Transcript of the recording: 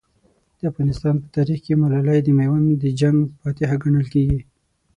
د افغانستان په تاریخ کې ملالۍ د میوند د جنګ فاتحه ګڼل کېږي.